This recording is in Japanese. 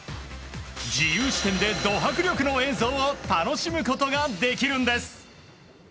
自由視点でド迫力の映像を楽しむことができるんです。